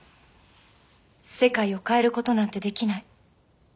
世界を変えることなんてできない。